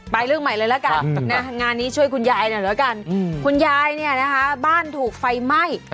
เรื่องใหม่เลยละกันงานนี้ช่วยคุณยายหน่อยแล้วกันคุณยายเนี่ยนะคะบ้านถูกไฟไหม้